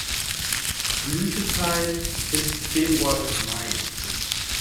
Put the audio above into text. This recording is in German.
Blütezeit ist Februar bis Mai.